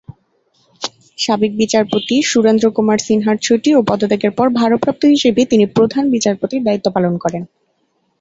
সাবেক বিচারপতি সুরেন্দ্র কুমার সিনহার ছুটি ও পদত্যাগের পর ভারপ্রাপ্ত হিসেবে তিনি প্রধান বিচারপতির দায়িত্ব পালন করেন।